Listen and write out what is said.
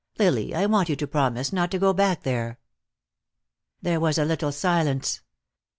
Lily, I want you to promise not to go back there." There was a little silence.